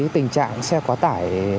tình trạng xe quá tải